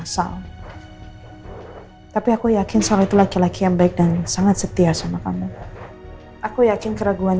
sal tapi aku yakin selalu itu laki laki yang baik dan sangat setia sama kamu aku yakin keraguan